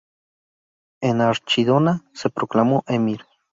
En Archidona se proclamó emir.